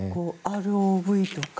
ＲＯＶとか